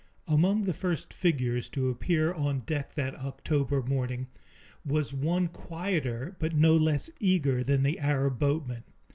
Among the first figures to appear on deck that October morning was one quieter but no less eager than the Arab boatmen.